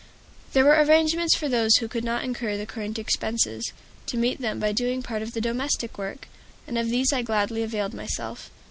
There were arrangements for those who could not incur the current expenses, to meet them by doing part of the domestic work, and of these I gladly availed myself.